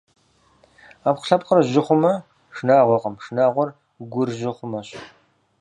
Ӏэпкълъэпкъыр жьы хъумэ шынагъуэкъым, шынагъуэр гур жьы хъумэщ.